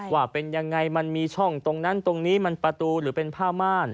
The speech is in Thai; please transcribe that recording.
ว่าเป็นยังไงมันมีช่องตรงนั้นตรงนี้มันประตูหรือเป็นผ้าม่าน